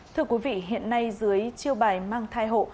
thưa quý vị hiện nay dưới chiêu bài mang thai hộ